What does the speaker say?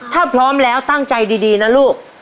ถ้าพร้อมแล้วตั้งใจดีนะลูก